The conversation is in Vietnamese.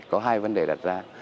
có hai vấn đề đặt ra